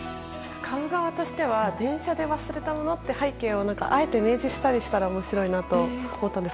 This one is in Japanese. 買う側としては電車で忘れたものって背景をあえて明示したら面白いなと思いました。